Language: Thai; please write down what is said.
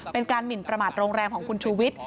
เป็นการหมินประมาทโรงแรมของคุณชูวิทย์